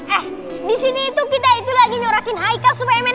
eh disini kita itu lagi nyorakin haikal supaya menang